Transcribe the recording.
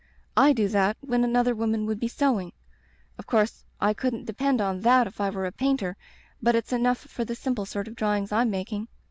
4 do that when another woman would be sewing. Of course I couldn't depend on that if I were a painter, but it's enough for the simple sort of drawings I'm making.